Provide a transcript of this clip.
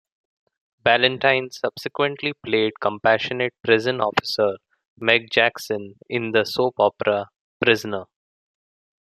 Ballantyne subsequently played compassionate prison officer, Meg Jackson in the soap opera, "Prisoner".